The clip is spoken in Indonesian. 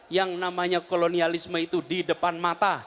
yang namanya kolonialisme itu di depan mata